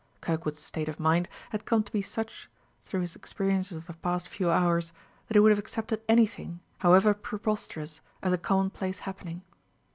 Kirkwood's state of mind had come to be such, through his experiences of the past few hours, that he would have accepted anything, however preposterous, as a commonplace happening.